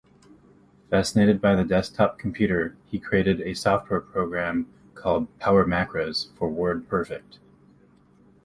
Fascinated by the desktop computer, he created a software program called PowerMacros for WordPerfect.